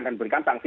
dan berikan sanksi